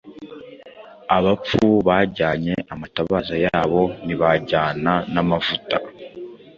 Abapfu bajyanye amatabaza yabo ntibajyana n’amavuta,